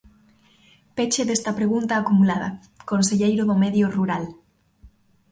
Peche desta pregunta acumulada, conselleiro do Medio Rural.